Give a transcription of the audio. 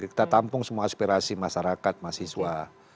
kita tampung semua aspirasi masyarakat mahasiswa